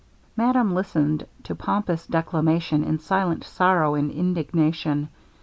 Madame listened to pompous declamation in silent sorrow and indignation.